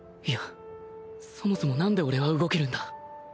いやそもそも何で俺は動けるんだ？